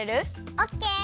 オッケー。